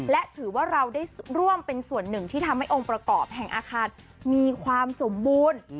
และถือว่าเราได้ร่วมเป็นส่วนหนึ่งที่ทำให้องค์ประกอบแห่งอาคารมีความสมบูรณ์